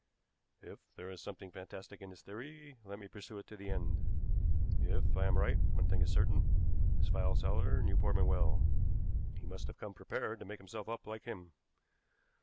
If there is something fantastic in this theory, let me pursue it to the end. If I am right, one thing is certain: this file seller knew Portman well. He must have come prepared to make himself up like him.